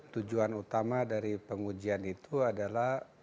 tujuan utama dari pengujian itu adalah